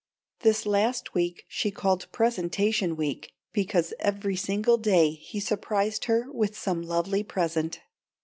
This last week she called presentation week, because every single day he surprised her with some lovely present.